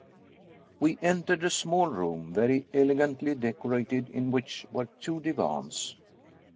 We entered a small room very elegantly decorated, in which were two divans.